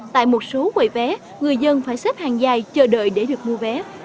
tại một số quầy vé người dân phải xếp hàng dài chờ đợi để được mua vé